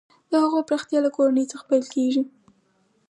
د هغو پراختیا له کورنۍ څخه پیل کیږي.